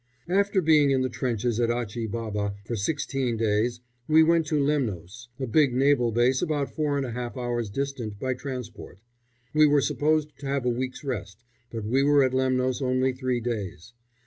After being in the trenches at Achi Baba for sixteen days we went back to Lemnos, a big naval base about four and a half hours' distant by transport. We were supposed to have a week's rest, but we were at Lemnos only three days.